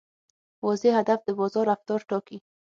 واضح هدف د بازار رفتار ټاکي.